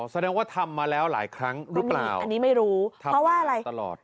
แสดงว่าทำมาแล้วหลายครั้งหรือเปล่าทำมาตลอด